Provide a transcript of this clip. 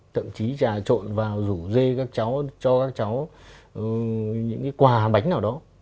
thậm chí trà trộn vào rủ dê các cháu cho các cháu những cái quà bánh nào đó